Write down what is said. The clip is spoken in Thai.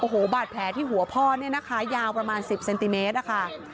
โอ้โหบาดแผลที่หัวพ่อยาวประมาณ๑๐เซนติเมตรค่ะ